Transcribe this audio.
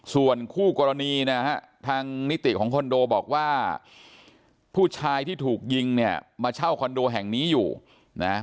ส่วนคู่กรณีนะฮะทางนิติของคอนโดบอกว่าผู้ชายที่ถูกยิงเนี่ยมาเช่าคอนโดแห่งนี้อยู่นะ